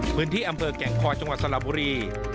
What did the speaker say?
พื้นที่อำเภอแก่งคอยจังหวัดสระบุรี